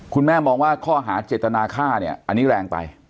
คุณแม่มองว่าข้อหาเจตนาฆ่าเนี่ยอันนี้แรงไป